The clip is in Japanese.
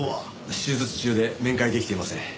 手術中で面会出来ていません。